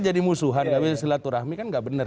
jadi musuhan silaturahmi kan nggak bener